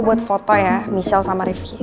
buat foto ya michelle sama rifki